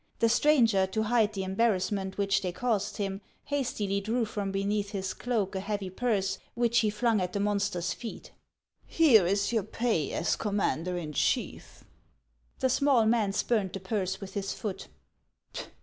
The stranger, to hide the embarrassment which they caused him, hastily drew from beneath his cloak a heavy purse which he flung at the monster's feet. " Here is your pay as commander in chief." The small man spurned the purse with his foot.